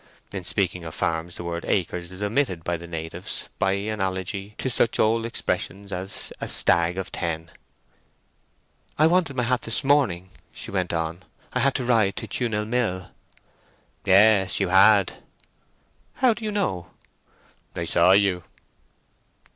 (In speaking of farms the word "acres" is omitted by the natives, by analogy to such old expressions as "a stag of ten.") "I wanted my hat this morning," she went on. "I had to ride to Tewnell Mill." "Yes you had." "How do you know?" "I saw you."